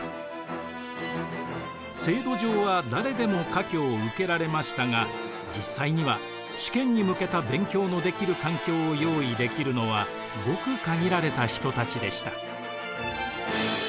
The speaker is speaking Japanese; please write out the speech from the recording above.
制度上は誰でも科挙を受けられましたが実際には試験に向けた勉強のできる環境を用意できるのはごく限られた人たちでした。